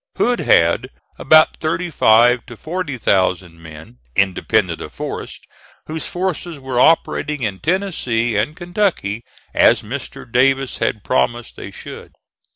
Hood had about thirty five to forty thousand men, independent of Forrest, whose forces were operating in Tennessee and Kentucky, as Mr. Davis had promised they should.